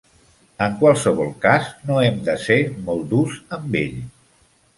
En qualsevol cas, no hem de ser molt durs amb ell.